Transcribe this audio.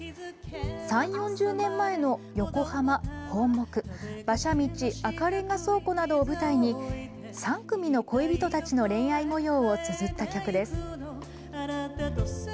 ３０４０年前の横浜・本牧、馬車道赤レンガ倉庫などを舞台に３組の恋人たちの恋愛もようをつづった曲です。